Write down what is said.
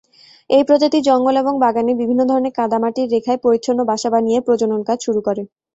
এই প্রজাতি জঙ্গল এবং বাগানে, বিভিন্ন ধরনের কাদা-মাটির রেখায়, পরিচ্ছন্ন বাসা বানিয়ে প্রজনন কাজ শুরু করে।